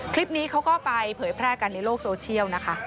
คลิปนี้เขาก็ไปเผยแพร่กันในโลกโซเชียลนะคะ